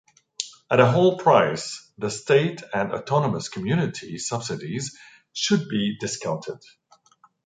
At a whole price, the State and Autonomous Community subsidies should be discounted.